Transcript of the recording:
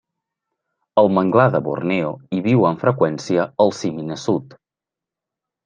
Al manglar de Borneo hi viu amb freqüència el simi nassut.